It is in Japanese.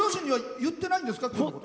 言ってないです。